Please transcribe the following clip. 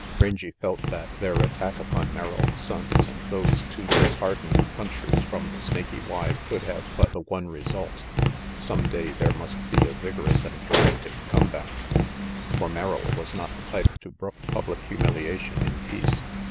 Rangy felt that their attack upon Merrill, Sonnes and those two disheartened punchers from the Snaky Y could have but the one result. Some day there must be a vigorous and drastic come back, for Merrill was not the type to brook public humilia tion in peace.